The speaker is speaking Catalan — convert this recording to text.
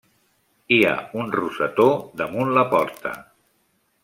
Hi ha un rosetó damunt la porta.